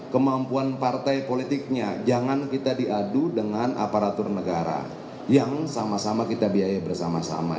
kemampuan partai politiknya jangan kita diadu dengan aparatur negara yang sama sama kita biaya bersama sama